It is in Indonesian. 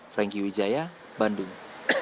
franky wijaya bandung